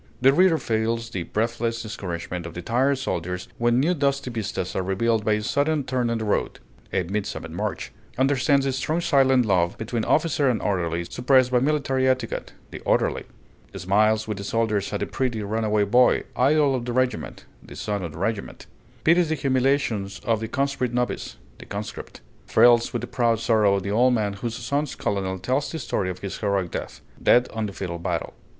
The reader feels the breathless discouragement of the tired soldiers when new dusty vistas are revealed by a sudden turn in the road ('A Midsummer March'); understands the strong silent love between officer and orderly, suppressed by military etiquette ('The Orderly'); smiles with the soldiers at the pretty runaway boy, idol of the regiment ('The Son of the Regiment'); pities the humiliations of the conscript novice ('The Conscript'); thrills with the proud sorrow of the old man whose son's colonel tells the story of his heroic death ('Dead on the Field of Battle').